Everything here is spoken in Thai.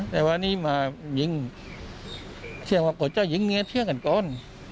แต่ว่านี่มาหญิงเสียงว่าก็จะหญิงเนี่ยเสียงกันก่อน